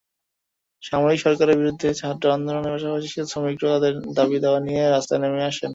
সামরিক সরকারের বিরুদ্ধে ছাত্র আন্দোলনের পাশাপাশি শ্রমিকেরাও তাঁদের দাবি-দাওয়া নিয়ে রাস্তায় নেমে আসেন।